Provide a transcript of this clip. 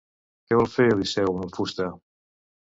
Què vol fer Odisseu amb la fusta?